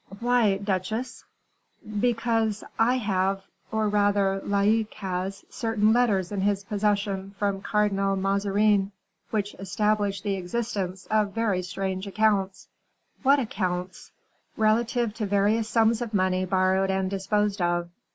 "Why, duchesse?" "Because I have, or rather Laicques has, certain letters in his possession from Cardinal Mazarin, which establish the existence of very strange accounts." "What accounts?" "Relative to various sums of money borrowed and disposed of.